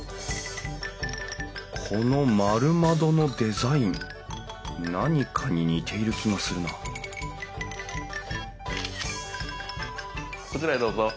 この丸窓のデザイン何かに似ている気がするなこちらへどうぞ。